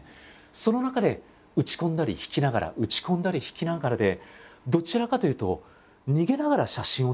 その中で打ち込んだり引きながら打ち込んだり引きながらで